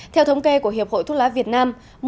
theo thống kê của hiệp hội thuốc lá việt nam